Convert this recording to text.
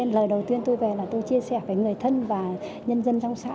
lần đầu tiên tôi về là tôi chia sẻ với người thân và nhân dân trong xã